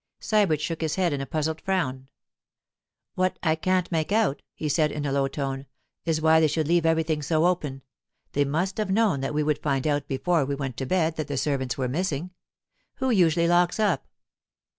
Sybert shook his head in a puzzled frown. 'What I can't make out,' he said in a low tone, 'is why they should leave everything so open. They must have known that we would find out before we went to bed that the servants were missing. Who usually locks up?